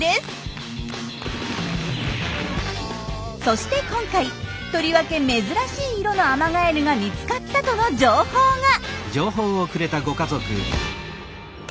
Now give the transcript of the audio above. そして今回とりわけ珍しい色のアマガエルが見つかったとの情報が！